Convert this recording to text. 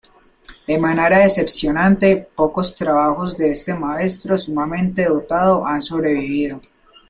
De manera decepcionante pocos trabajos de este maestro sumamente dotado han sobrevivido.